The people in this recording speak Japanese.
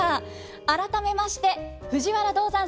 改めまして藤原道山さんです。